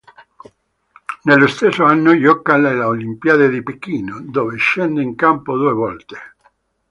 Nello stesso anno gioca le Olimpiadi di Pechino, dove scende in campo due volte.